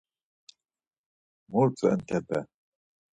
Mu rt̆u entepe?